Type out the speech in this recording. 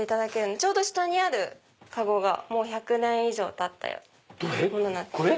ちょうど下にある籠が１００年以上たったものです。